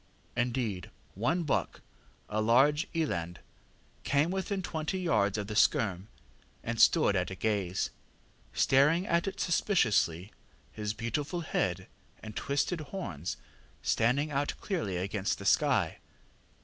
Indeed, one buck a large eland came within twenty yards of the skerm, and stood at gaze, staring at it suspiciously, his beautiful head and twisted horns standing out clearly against the sky.